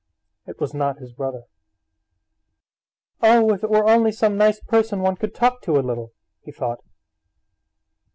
It was not his brother. "Oh, if it were only some nice person one could talk to a little!" he thought.